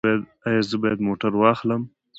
ایا زه باید موټر واخلم؟